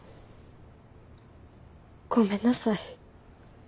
ごめんなさい。